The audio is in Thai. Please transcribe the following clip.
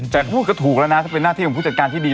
แต่พูดก็ถูกแล้วนะถ้าเป็นหน้าที่ของผู้จัดการที่ดี